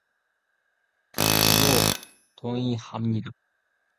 저도 동의합니다.